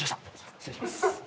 失礼します。